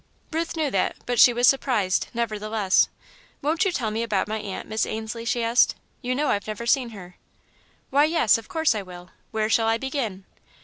Ruth knew that, but she was surprised, nevertheless. "Won't you tell me about my aunt, Miss Ainslie?" she asked. "You know I've never seen her." "Why, yes, of course I will! Where shall I begin?"